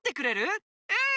うん！